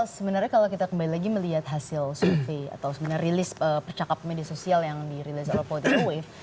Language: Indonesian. sebenarnya kalau kita kembali lagi melihat hasil survei atau sebenarnya rilis percakapan media sosial yang dirilis oleh politik wave